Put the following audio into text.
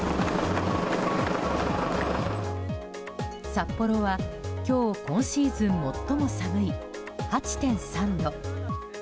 札幌は今日今シーズン最も寒い８．３度。